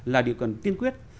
là điều cần tiên quyết